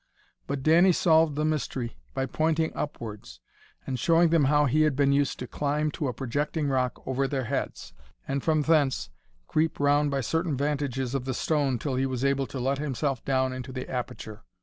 But Danny solved the mystery by pointing upwards, and showing them how he had been used to climb to a projecting rock over their heads, and from thence creep round by certain vantages of the stone till he was able to let himself down into the aperture.